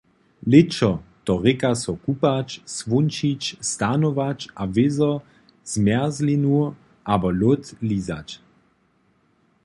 Lěćo, to rěka so kupać, słónčić, stanować a wězo zmjerzlinu abo lód lizać.